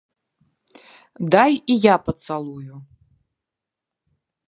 Дай і я пацалую.